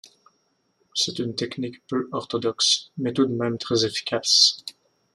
C'est une technique peu orthodoxe mais tout de même très efficace.